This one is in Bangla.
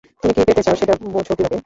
তুমি কী পেতে চাও সেটা বোঝো কীভাবে?